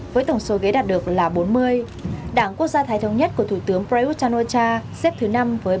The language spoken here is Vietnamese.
với tổng số ghế đạt được là bốn mươi đảng quốc gia thái thống nhất của thủ tướng prayuth chan o cha xếp thứ năm với ba mươi sáu ghế